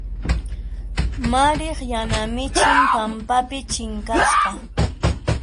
Mariq yana michin pampapi chinkasqa.